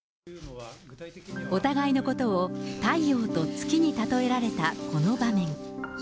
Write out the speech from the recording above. お互いのことを太陽と月に例えられたこの場面。